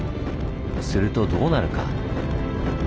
するとどうなるか。